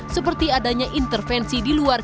seperti adanya intervensi diluncurkan